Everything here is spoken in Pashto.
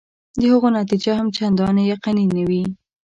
د هغو نتیجه هم چنداني یقیني نه وي.